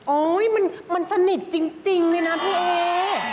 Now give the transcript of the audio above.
มันสนิทจริงเลยนะพี่เอ